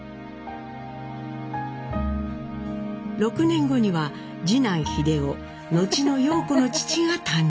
６年後には次男英夫後の陽子の父が誕生。